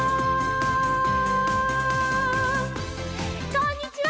こんにちは！